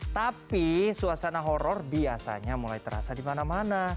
tapi suasana horror biasanya mulai terasa di mana mana